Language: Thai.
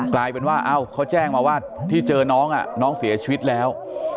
กลายเป็นว่าเขาแจ้งมาว่าที่เจอน้องน้องเสียชีวิตแล้ว